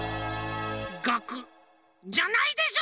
ガクッじゃないでしょ